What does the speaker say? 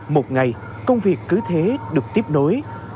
một ngày công việc cứ thế được tiếp nối